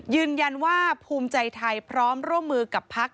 ยืนยันว่าภูมิใจไทยพร้อมร่วมมือกับพัก